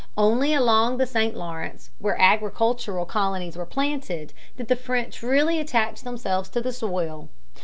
Only along the St. Lawrence, where agricultural colonies were planted, did the French really attach themselves to the soil.